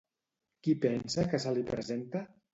Qui pensa que se li presenta?